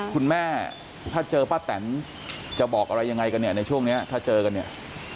คุณแม่ถ้าเจอป้าแตนจะบอกอะไรยังไงกันเนี่ยในช่วงนี้ถ้าเจอกันเนี่ย